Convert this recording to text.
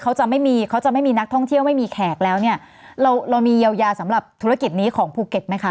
เขาจะไม่มีเขาจะไม่มีนักท่องเที่ยวไม่มีแขกแล้วเนี่ยเราเรามีเยียวยาสำหรับธุรกิจนี้ของภูเก็ตไหมคะ